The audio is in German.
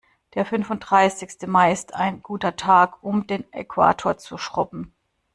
Der fünfunddreißigste Mai ist ein guter Tag, um den Äquator zu schrubben.